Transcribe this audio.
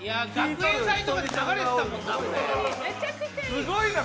すごいな！